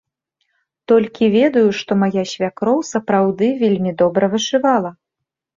Толькі ведаю, што мая свякроў, сапраўды, вельмі добра вышывала.